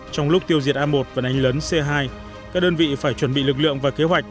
trong lúc tiêu diệt a một và đánh lấn c hai các đơn vị phải chuẩn bị lực lượng và kế hoạch